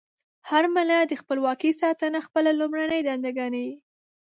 هر ملت د خپلواکۍ ساتنه خپله لومړنۍ دنده ګڼي.